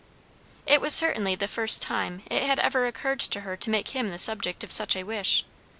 It was certainly the first time it had ever occurred to her to make him the subject of such a wish.